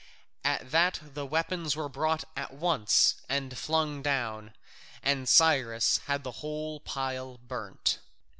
At that the weapons were brought at once, and flung down, and Cyrus had the whole pile burnt.